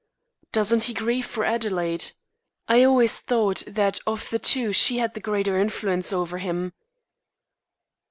"Doesn't he grieve for Adelaide? I always thought that of the two she had the greater influence over him."